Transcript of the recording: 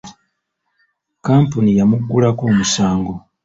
Kampuni yamuggulako omusango.